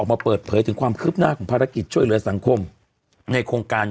มาเปิดเผยถึงความคืบหน้าของภารกิจช่วยเหลือสังคมในโครงการ